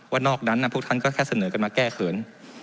นอกนั้นพวกท่านก็แค่เสนอกันมาแก้เขิน